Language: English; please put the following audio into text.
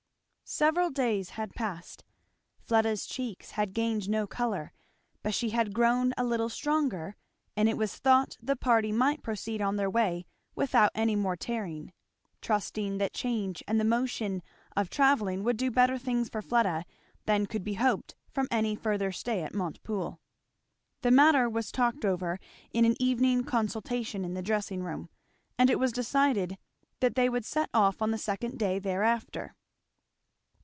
Several days had passed. Fleda'a cheeks had gained no colour, but she had grown a little stronger, and it was thought the party might proceed on their way without any more tarrying; trusting that change and the motion of travelling would do better things for Fleda than could be hoped from any further stay at Montepoole. The matter was talked over in an evening consultation in the dressing room, and it was decided that they would set off on the second day thereafter.